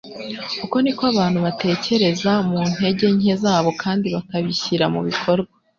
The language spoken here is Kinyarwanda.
Uko niko abantu batekereza mu ntege nke zabo kandi bakabishyira mu bikorwa.